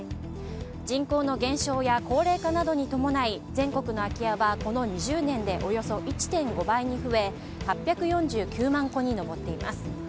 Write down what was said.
人口の減少や高齢化などに伴い全国の空き家はこの２０年でおよそ１．５倍に増え８４９万戸に上っています。